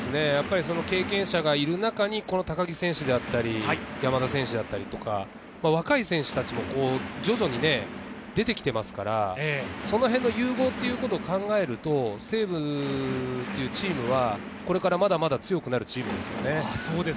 経験者がいる中に高木選手や山田選手など、若い選手たちも徐々に出ていきますから、その辺の融合を考えると西武というチームはこれからまだまだ強くなるチームですよね。